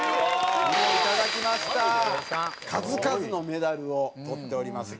数々のメダルをとっております。